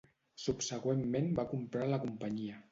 Subsegüentment va comprar la companyia.